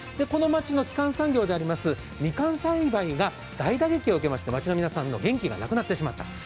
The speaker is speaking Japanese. この町の基幹産業であります、みかん栽培が大打撃を受けまして、町の皆さんの元気がなくなってしまった。